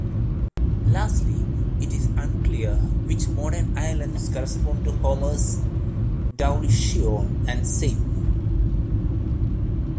Lastly, it is unclear which modern islands correspond to Homer's Doulichion and Same.